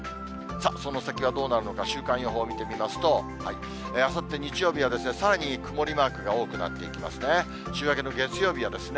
さあ、その先はどうなるのか、週間予報を見てみますと、あさって日曜日はさらに曇りマークが多くなっていきますね。